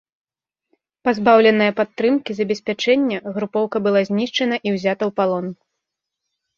Пазбаўленая падтрымкі забеспячэння, групоўка была знішчана і ўзята ў палон.